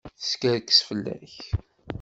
Teskerkes fell-ak.